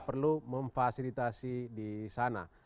perlu memfasilitasi disana